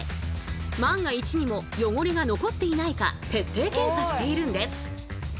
万が一にも汚れが残っていないか徹底検査しているんです。